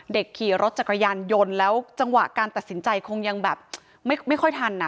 ขี่รถจักรยานยนต์แล้วจังหวะการตัดสินใจคงยังแบบไม่ค่อยทันอ่ะ